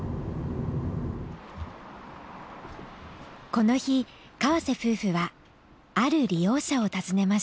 この日河瀬夫婦はある利用者を訪ねました。